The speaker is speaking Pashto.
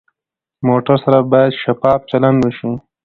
موټر سره باید شفاف چلند وشي.